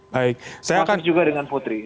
masih juga dengan putri